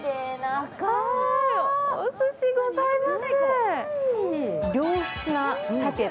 おすしございます。